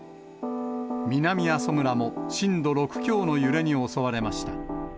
南阿蘇村も震度６強の揺れに襲われました。